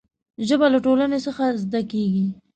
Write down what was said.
ژبه له ټولنې څخه زده کېږي.